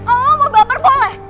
kalau lu mau baper boleh